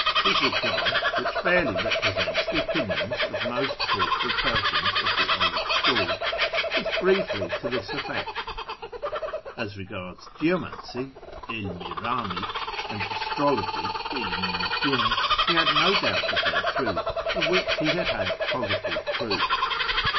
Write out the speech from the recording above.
His reply (which fairly represents the opinion of most thoughtful Persians of the old school) was briefly to this effect :— As I'egards Geomancy (Ibn i raml) and Astrology (^ Ilm i nvjum) '\Q had no doubt of their truth, of which he had had positive ji'oof.